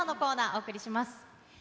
お送りします。